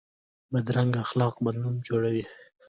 بدرنګه اخلاق بد نوم جوړوي